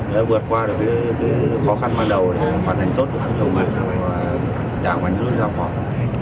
để vượt qua được cái khó khăn ban đầu để hoàn thành tốt đồng mặt của đảng quản lý giáo phòng